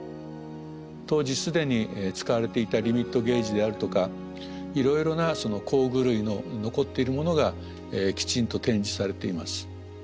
当時既に使われていたリミットゲージであるとかいろいろな工具類の残っているものがきちんと展示されています。